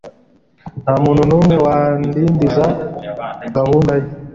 Nta muntu n'umwe wadindiza gahunda ye.”